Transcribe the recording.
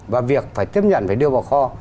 và việc phải tiếp nhận phải đưa vào kho